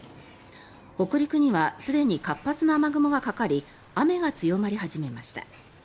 北陸にはすでに活発な雨雲がかかり雨が強まり始めました。